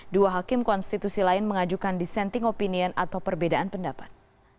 dua hakim konstitusi lain mengajukan dissenting opinion atau perbedaan pendapat